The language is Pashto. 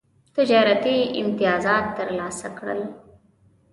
تجارتي امتیازات ترلاسه کړل.